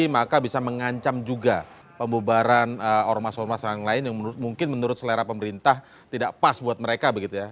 maka bisa mengancam juga pembubaran ormas ormas yang lain yang mungkin menurut selera pemerintah tidak pas buat mereka begitu ya